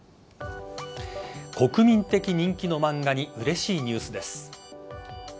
国民的人気の漫画にうれしいニュースです。